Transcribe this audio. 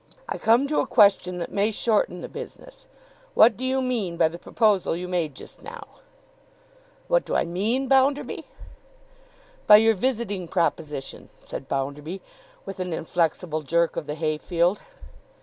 I come to a question that may shorten the business. What do you mean by the proposal you made just now?' 'What do I mean, Bounderby?' 'By your visiting proposition,' said Bounderby, with an inflexible jerk of the hayfield.